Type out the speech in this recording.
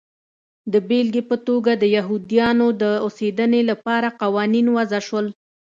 د بېلګې په توګه د یهودیانو د اوسېدنې لپاره قوانین وضع شول.